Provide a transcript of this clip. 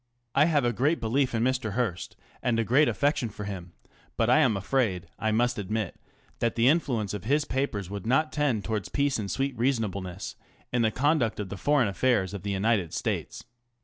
I have a great belief in Mr. Hearst, and a great affection for him, but I am afraid I must admit that the influence of his papers would not tend toward peace and sweet reasonableness in the conduct of the fore'gn affairs of the United States.